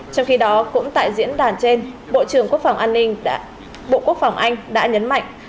trong khi đó cũng tại diễn đàn trên bộ quốc phòng anh đã nhấn mạnh